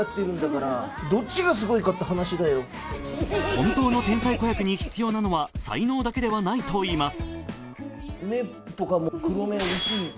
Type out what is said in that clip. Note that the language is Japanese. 本当の天才子役に必要なのは才能だけではないといいます。